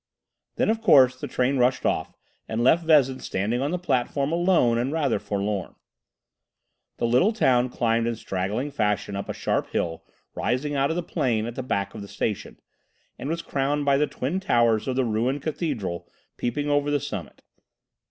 Then, of course, the train rushed off, and left Vezin standing on the platform alone and rather forlorn. The little town climbed in straggling fashion up a sharp hill rising out of the plain at the back of the station, and was crowned by the twin towers of the ruined cathedral peeping over the summit.